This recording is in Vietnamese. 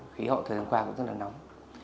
khí hậu thời gian qua cũng rất là nóng